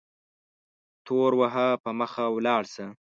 تور وهه په مخه ولاړ سه